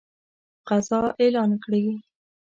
غزا اعلان کړي.